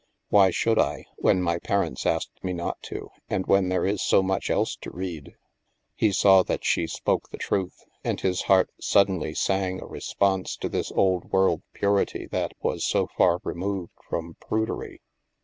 "Why should I, when my parents asked me not to, and when there is so much else to read ?" He saw that she spoke the truth, and his heart suddenly sang a response to this old world purity that was so far removed from prudery.